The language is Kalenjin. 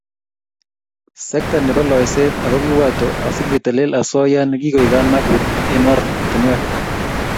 sekta nebo loiseet ako kiwato asi ketelelel asoya ne kikoek kanaguut eng oratinweek